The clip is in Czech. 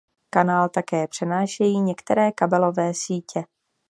Kanál také přenášejí některé kabelové sítě.